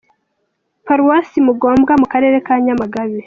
R Paruwasi Mugombwa mu karere ka Nyamagabe.